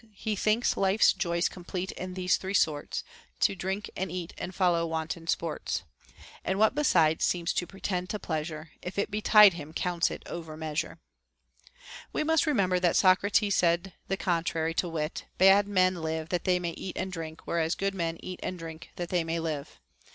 He thinks life's joys complete in these three sorts, To drink and eat, and follow wanton sports ; And what besides seems to pretend to pleasure, If it betide him, counts it over measure, we must remember that Socrates said the contrary, to wit : Bad men live that they may eat and drink, whereas good men eat and drink that they may live.